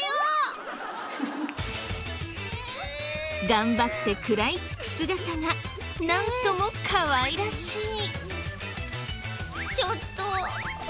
頑張って食らいつく姿がなんともかわいらしい。